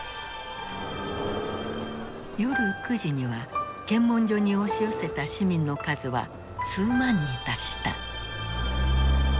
夜９時には検問所に押し寄せた市民の数は数万に達した。